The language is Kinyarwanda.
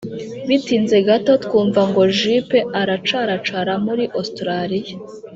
bitinze gato twumva ngo Juppe aracaracara muri Australia